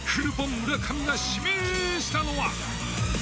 村上が指名したのは。